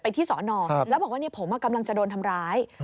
ที่สอนอแล้วบอกว่าผมกำลังจะโดนทำร้าย